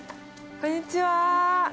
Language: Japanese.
こんにちは。